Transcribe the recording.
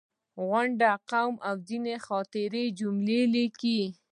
غونډ، قوم او ځینې خاطرې یې جملې ولیکم.